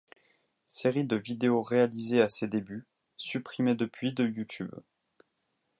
Série de vidéos réalisée à ses débuts, supprimée depuis de YouTube.